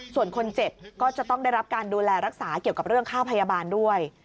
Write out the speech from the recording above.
ส่วนคนเจ็บก็จะต้องได้รับการดูแลรักษาเกี่ยวกับเรื่องค่าพยาบาลด้วย